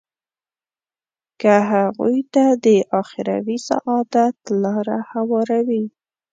که هغوی ته د اخروي سعادت لاره هواروي.